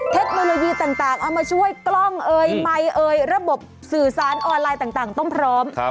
เทคโนโลยีต่างเอามาช่วยกล้องเอ่ยไมค์เอ่ยระบบสื่อสารออนไลน์ต่างต้องพร้อม